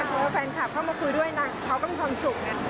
เพราะว่าแฟนคลับเข้ามาคุยด้วยนะเขาก็มีความสุขไง